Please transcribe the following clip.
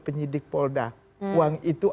penyidik polda uang itu